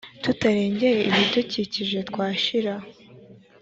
tutarengeye ibidukije twashira